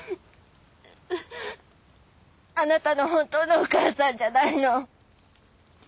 あなたの本当のお母さんじゃないの。